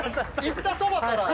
言ったそばから。